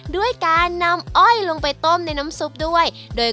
ด้วยการนำอ้อยลงไปต้มในน้ำซุปด้วย